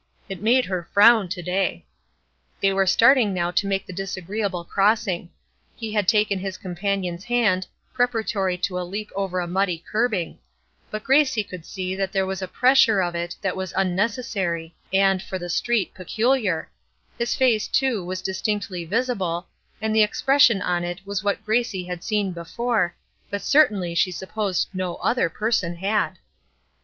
It made her frown to day. They were starting now to make the disagreeable crossing. He had taken his companion's hand, preparatory to a leap over a muddy curbing; but Gracie could see that there was a pressure of it that was unnecessary, and, for the street, peculiar; his face, too, was distinctly visible, and the expression on it was what Gracie had seen before, but certainly she supposed no other person had.